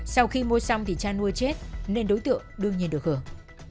sau khi mua xong thì cha nuôi chết nên đối tượng đương nhiên được hưởng